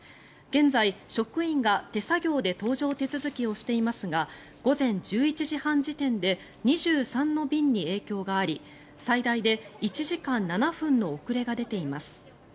現在、職員が手作業で搭乗手続きをしていますが午前１１時半時点で２３の便に影響があり最大で１時間７分の遅れが出ています。